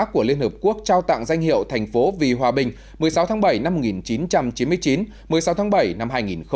của liên hợp quốc trao tặng danh hiệu thành phố vì hòa bình một mươi sáu tháng bảy năm một nghìn chín trăm chín mươi chín một mươi sáu tháng bảy năm hai nghìn một mươi chín